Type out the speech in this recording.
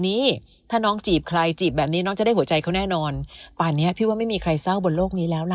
นี้ถ้าน้องจีบใครจีบแบบนี้น้องจะได้หัวใจเขาแน่นอนป่านนี้พี่ว่าไม่มีใครเศร้าบนโลกนี้แล้วล่ะ